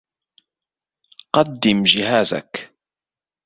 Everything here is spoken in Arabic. قَدِّمْ جَهَازَك